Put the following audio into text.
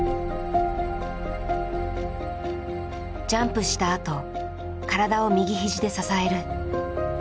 ジャンプしたあと体を右肘で支える。